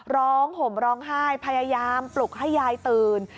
ห่มร้องไห้พยายามปลุกให้ยายตื่น